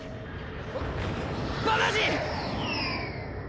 あっバナージ！